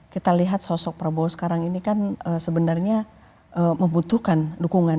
kita lihat sosok prabowo sekarang ini kan sebenarnya membutuhkan dukungan